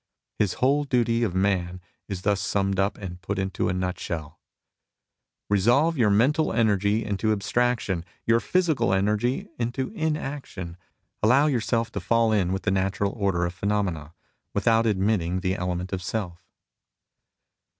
His whole duty of man is thus summed up and put into a nutshell :" Resolve your mental energy into abstraction, your physical energy into inaction. Allow yourself to fall in with the natural order of phenomena, without admitting the element of self."